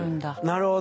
なるほど。